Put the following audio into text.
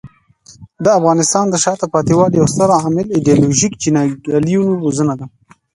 د افغانستان د شاته پاتې والي یو ستر عامل ایډیالوژیک جنګیالیو روزنه ده.